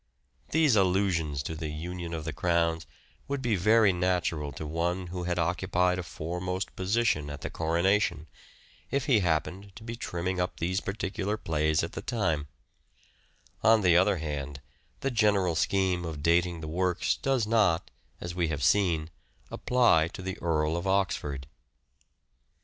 These allusions to the union of the crowns would be very natural to one who had occupied a foremost position at the coronation, if he happened to be trimming up these particular plays at the time : on the other hand, the general scheme of dating the works does not, as we have seen, apply to the Earl of Oxford.